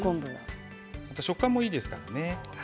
食感もいいですからね。